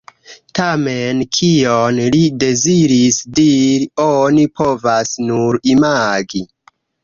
Tamen kion li deziris diri, oni povas nur imagi.